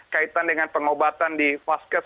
kaitan dengan pengobatan di vaskes